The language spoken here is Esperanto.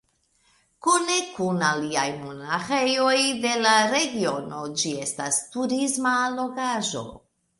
Kune kun aliaj monaĥejoj de la regiono ĝi estas turisma allogaĵo.